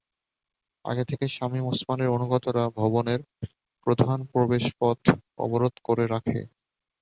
আগে থেকেই শামীম ওসমানের অনুগতরা ভবনের প্রধান প্রবেশপথ অবরোধ করে রাখে।